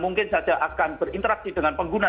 mungkin saja akan berinteraksi dengan pengguna